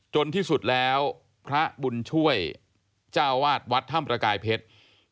ที่สุดแล้วพระบุญช่วยเจ้าวาดวัดถ้ำประกายเพชร